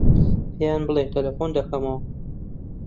پێیان بڵێ تەلەفۆن دەکەمەوە.